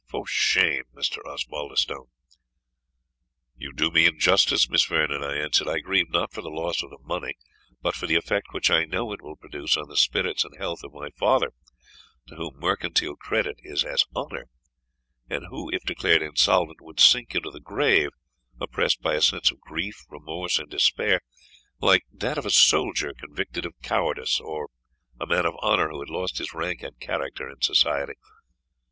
For shame, Mr. Osbaldistone!" "You do me injustice, Miss Vernon," I answered. "I grieve not for the loss of the money, but for the effect which I know it will produce on the spirits and health of my father, to whom mercantile credit is as honour; and who, if declared insolvent, would sink into the grave, oppressed by a sense of grief, remorse, and despair, like that of a soldier convicted of cowardice or a man of honour who had lost his rank and character in society.